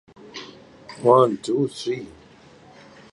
If he didn't, his kids sure did.